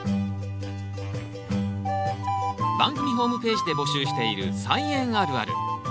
番組ホームページで募集している「菜園あるある」。